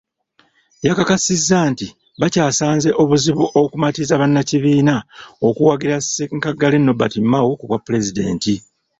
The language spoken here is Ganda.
Yakakasizza nti bakyasanze obuzibu okumatiza bannakibiina okuwagira ssenkaggale Nobert Mao ku bwapulezidenti.